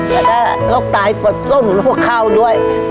แล้วก็รกตายปลอดส้มรกเค้าด้วย